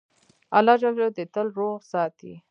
الله ج دي تل روغ ساتی